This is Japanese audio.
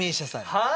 はい！